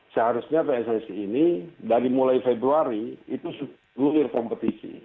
seharusnya pssi ini dari mulai februari itu luhir kompetisi